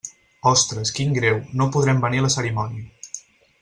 Ostres, quin greu, no podrem venir a la cerimònia.